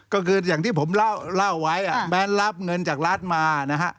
ก็คืออย่างที่ผมเล่าไว้แม้รับเงินจากรัฐมานะฮะ